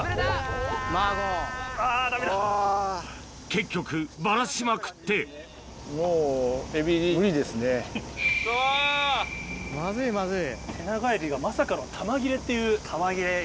結局バラしまくってすいません。